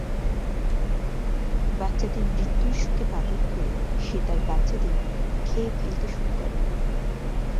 বাচ্চাদের মৃত্যুর শোকে পাগল হয়ে সে তার বাচ্চাদের খেয়ে ফেলতে শুরু করে।